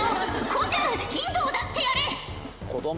こうちゃんヒントを出してやれ！